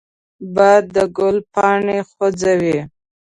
باد د ګل پاڼې خوځوي